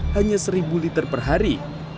hanya seribu liter per hari